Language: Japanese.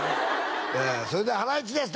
それではハライチです！